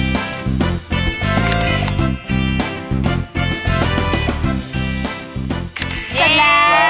เสร็จแล้ว